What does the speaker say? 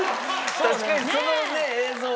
確かにそのね映像。